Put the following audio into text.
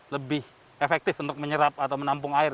lebih efektif untuk menyerap atau menampung air